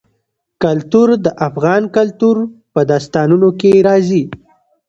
کلتور د افغان کلتور په داستانونو کې راځي.